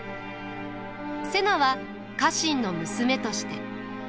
瀬名は家臣の娘として。